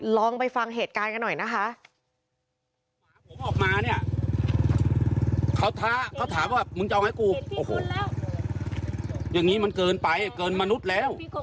ลองไปฟังเหตุการณ์กันหน่อยนะคะ